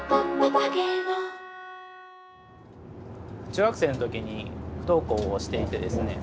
中学生の時に不登校をしていてですね。